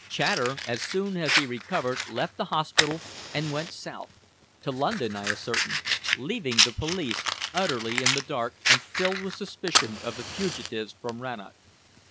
Chater, as soon as he recovered, left the hospital and went south to London, I ascertained leaving the police utterly in the dark and filled with suspicion of the fugitives from Rannoch.